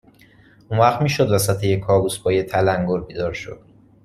اونوقت میشد وسط یه کابوس با یه تلنگر بیدار شد